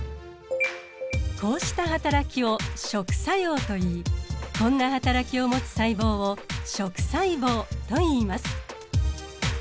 こうしたはたらきを食作用といいこんなはたらきを持つ細胞を食細胞といいます。